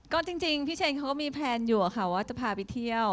ก็จริงพี่เชนเขาก็มีแพลนอยู่ค่ะว่าจะพาไปเที่ยว